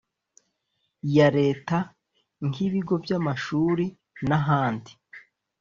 ya leta nk ibigo by amashuri n ahandi